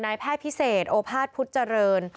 แพทย์พิเศษโอภาษพุทธเจริญ